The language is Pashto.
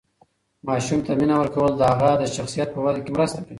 ماشوم ته مینه ورکول د هغه د شخصیت په وده کې مرسته کوي.